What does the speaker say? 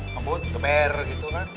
kebut keber gitu kan